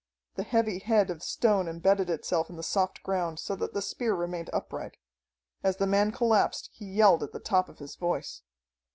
The heavy head of stone embedded itself in the soft ground, so that the spear remained upright. As the man collapsed he yelled at the top of his voice.